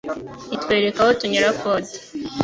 itwereka aho tunyura ford